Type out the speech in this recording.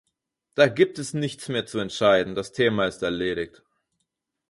Da gibt es nichts mehr zu entscheiden, das Thema ist erledigt.